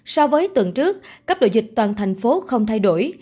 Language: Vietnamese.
so với tuần trước cấp độ dịch toàn tp hcm không thay đổi